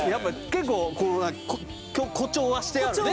結構誇張はしてあるね